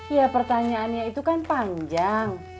ya pertanyaannya itu kan panjang